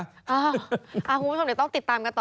คุณผู้ชมเดี๋ยวต้องติดตามกันต่อ